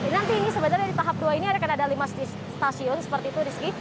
nanti ini sebenarnya di tahap dua ini akan ada lima stasiun seperti itu rizky